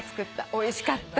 おいしかった。